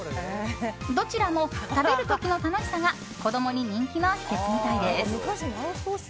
どちらも食べる時の楽しさが子供に人気の秘訣みたいです。